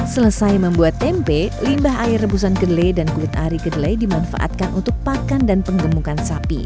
selesai membuat tempe limbah air rebusan kedelai dan kulit ari kedelai dimanfaatkan untuk pakan dan penggemukan sapi